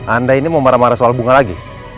anda ini mau marah marah soal bunga lagi